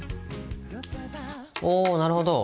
おおなるほど。